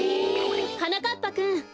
はなかっぱくん。